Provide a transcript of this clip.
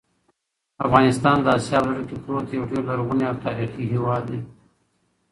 افغانستان د اسیا په زړه کې پروت یو ډېر لرغونی او تاریخي هېواد دی.